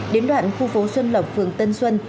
đến đoạn khu phố xuân lập phường tân xuân